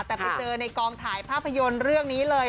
แต่ไปเจอในกองถ่ายภาพยนตร์เรื่องนี้เลย